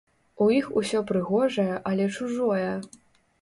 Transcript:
У іх усё прыгожае, але чужое.